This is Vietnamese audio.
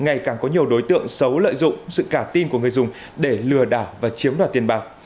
ngày càng có nhiều đối tượng xấu lợi dụng sự cả tin của người dùng để lừa đảo và chiếm đoạt tiền bạc